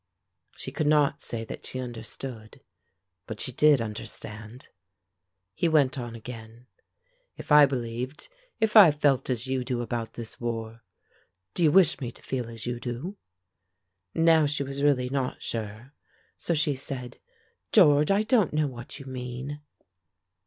She could not say that she understood, but she did understand. He went on again. "If I believed if I felt as you do about this war Do you wish me to feel as you do?" Now she was really not sure; so she said, "George, I don't know what you mean."